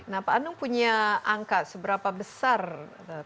nah pak anung punya angka seberapa besar